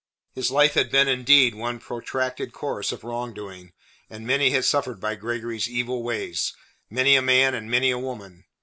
His life had been indeed one protracted course of wrong doing, and many had suffered by Gregory's evil ways many a man and many a woman.